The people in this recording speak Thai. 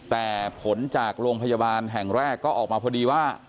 แต่ผลจากโรงพยาบาลแห่งแรกก็ออกมาพอดีว่า